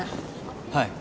はい。